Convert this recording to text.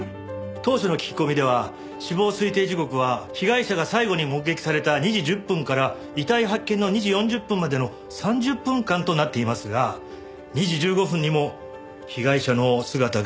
当初の聞き込みでは死亡推定時刻は被害者が最後に目撃された２時１０分から遺体発見の２時４０分までの３０分間となっていますが２時１５分にも被害者の姿が確認されたんです。